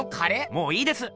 もういいです！